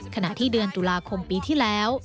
ขณะที่เดือนตุลาคมปีที่แล้ว